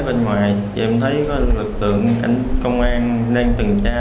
bên ngoài em thấy có lực lượng cảnh công an đang trừng tra